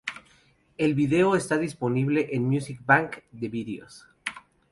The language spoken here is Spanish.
El vídeo está disponible en Music Bank: The Videos.